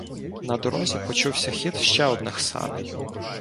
На дорозі почувся хід ще одних саней.